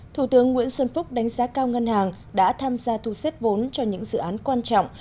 thủ tướng nguyễn xuân phúc đánh giá cao ngân hàng đã tham gia thu xếp vốn cho những dự án quan trọng